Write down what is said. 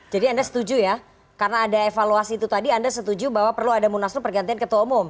jadi anda setuju ya karena ada evaluasi itu tadi anda setuju bahwa perlu ada munaslup pergantian ketua umum